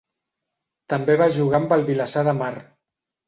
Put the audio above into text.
També va jugar amb el Vilassar de Mar.